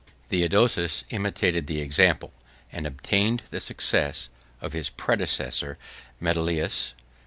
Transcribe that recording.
Theodosius imitated the example, and obtained the success, of his predecessor Metellus.